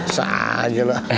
usah aja lu